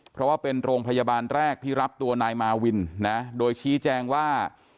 เพราะว่าเป็นโรงพยาบาลแรกที่รับตัวนายมาวินนะโดยชี้แจงว่า